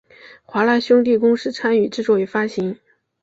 华纳兄弟公司参与制作与发行。